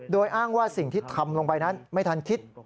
โดยอ้างว่าสิ่งที่ทำลงไปนั้นไม่ทันคิด